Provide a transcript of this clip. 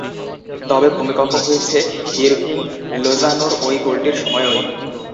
তবে ভূমিকম্প হয়েছে হিরভিং লোজানোর ওই গোলটির সময়ই।